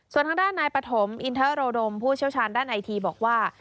ส่วนทางด้านนายปฐมอินทรดมผู้เชี่ยวชาญด้านไอทีบอกว่า